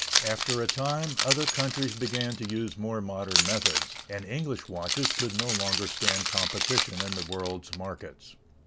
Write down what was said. _] After a time, other countries began to use more modern methods, and English watches could no longer stand competition in the world's markets.